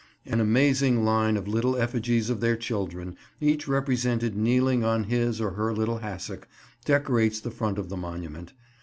An amazing line of little effigies of their children, each represented kneeling on his or her little hassock, decorates the front of the monument.